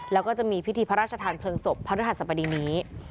แล้วก็จะมีพิธีพระราชทานเพลิงศพพระฤหัสบดีนี้